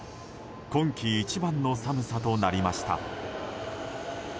今季一番の寒さとなりました。